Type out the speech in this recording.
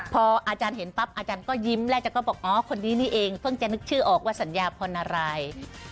พออาจารย์เห็นปั๊บอาจารย์ก็ยิ้มแล้วอาจารย์ก็บอกอ๋อคนนี้นี่เองเพิ่งจะนึกชื่อออกว่าสัญญาพรอะไร